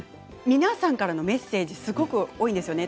皆さんからのメッセージすごく多いんです。